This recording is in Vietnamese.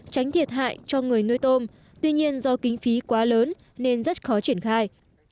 tránh thiệt hại cho người nuôi tôm tuy nhiên do kinh phí quá lớn nên rất khó triển khai